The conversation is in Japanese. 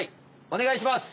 おねがいします！